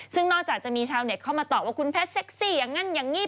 ซึ่งนอกจากจะมีชาวเน็ตเข้ามาตอบว่าคุณแพทย์เซ็กซี่อย่างนั้นอย่างนี้